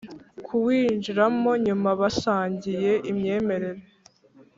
Kuwinjiramo nyuma basangiye imyemerere